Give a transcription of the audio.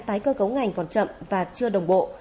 tái cơ cấu ngành còn chậm và chưa đồng bộ